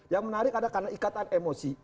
yang menarik adalah karena ikatan emosi